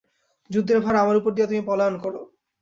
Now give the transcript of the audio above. যুদ্ধের ভার আমার উপর দিয়া তুমি পলায়ন করো।